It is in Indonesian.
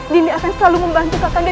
dinda akan selalu membantu kakanda